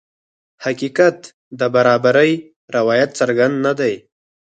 حقیقت د برابرۍ روایت څرګند نه دی.